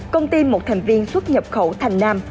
công ty một thành viên xuất nhập khẩu thành nam